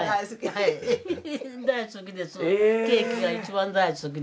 はい大好きです。